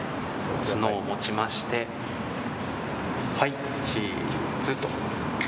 角を持ちまして、はい、チーズと。